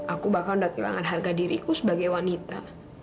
aku bahkan udah kehilangan harga diriku sebagai wanita